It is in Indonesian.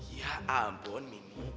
ya ampun mini